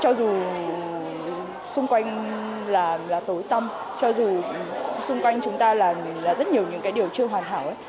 cho dù xung quanh là tối tâm cho dù xung quanh chúng ta là rất nhiều những cái điều chưa hoàn hảo ấy